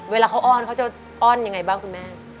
เวลาเขาอ้อนเขาจะอ้อนยังไงบ้างคุณแม่